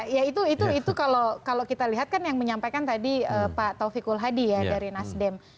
ya itu kalau kita lihat kan yang menyampaikan tadi pak taufikul hadi ya dari nasdem